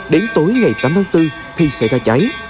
đến tối ngày tám tháng bốn thì xảy ra cháy